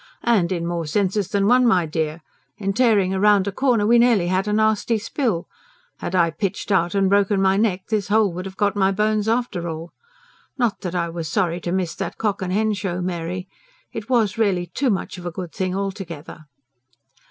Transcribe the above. "And in more senses than one, my dear. In tearing round a corner we nearly had a nasty spill. Had I pitched out and broken my neck, this hole would have got my bones after all. Not that I was sorry to miss that cock and hen show, Mary. It was really too much of a good thing altogether."